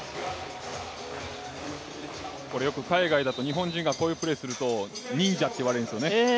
これよく海外だと日本人がこういうプレーすると忍者って言われるんですよね。